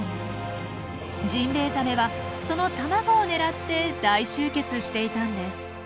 ジンベエザメはその卵を狙って大集結していたんです。